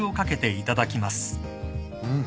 うん。